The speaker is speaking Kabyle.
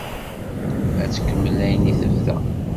Ad tkemmel ayen i d-tebda?